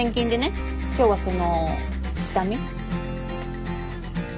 今日はその下見。